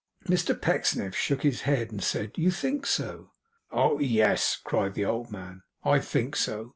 Mr Pecksniff shook his head, and said, 'You think so.' 'Oh yes,' cried the old man, 'I think so!